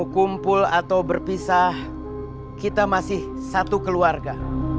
kita masih satu keluarga